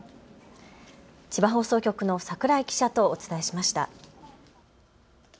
千葉放送局の櫻井記者とお伝えしました。